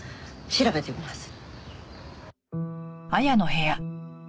調べてみます。